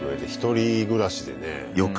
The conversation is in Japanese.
１人暮らしでね